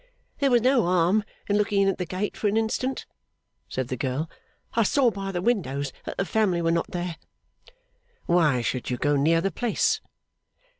'There was no harm in looking in at the gate for an instant,' said the girl. 'I saw by the windows that the family were not there.' 'Why should you go near the place?